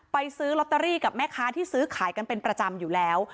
ซื้อลอตเตอรี่กับแม่ค้าที่ซื้อขายกันเป็นประจำอยู่แล้ว